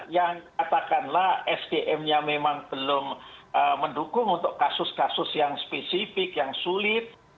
yang katakanlah sdm nya memang belum mendukung untuk kasus kasus yang spesifik yang sulit